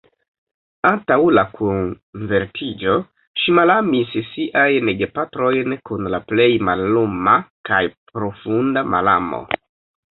Antaŭ la konvertiĝo, ŝi malamis siajn gepatrojn kun la plej malluma kaj profunda malamo.